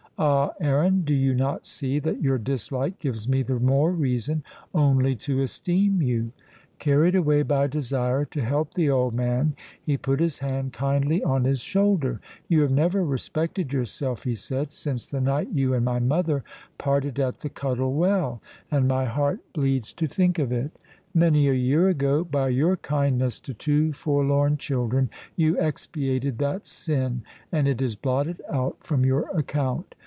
Ah, Aaron, do you not see that your dislike gives me the more reason only to esteem you?" Carried away by desire to help the old man, he put his hand kindly on his shoulder. "You have never respected yourself," he said, "since the night you and my mother parted at the Cuttle Well, and my heart bleeds to think of it. Many a year ago, by your kindness to two forlorn children, you expiated that sin, and it is blotted out from your account.